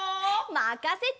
まかせて！